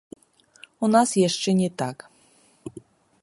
У нас яшчэ не так.